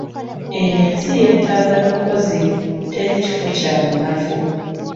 Eno ensi yeetaaga bakozi, teri kifo kya munafu.